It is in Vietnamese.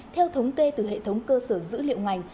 theo thống kê từ hệ thống cơ sở dữ liệu ngành